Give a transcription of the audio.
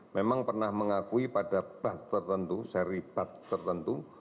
memang pernah mengakui pada batch tertentu seri batch tertentu